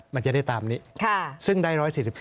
มันจะได้ตามนี้ซึ่งได้๑๔๒